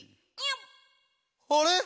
「あれ！